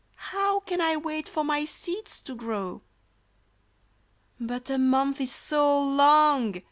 How can I wait for my seeds to grow !"'' But a month is so long